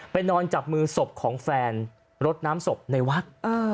นอนจับมือศพของแฟนรดน้ำศพในวัด